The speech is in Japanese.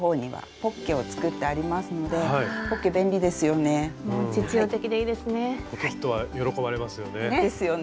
ポケットは喜ばれますよね。